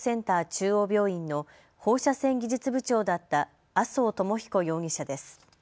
中央病院の放射線技術部長だった麻生智彦容疑者です。